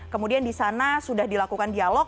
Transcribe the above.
kemudian disana sudah dilakukan dialog